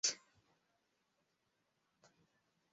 Ntabwo yishimye nubwo yari afite ubutunzi bwose.